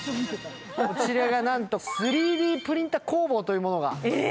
こちらがなんと、３Ｄプリンター工房というものが。